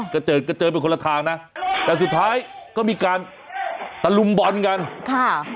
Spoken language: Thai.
ก็เจอก็เจอเป็นคนละทางนะแต่สุดท้ายก็มีการตะลุมบอลกันค่ะ